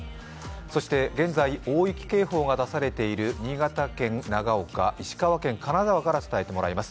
そして現在、大雪警報が出されている新潟県長岡、石川県金沢から伝えてもらいます。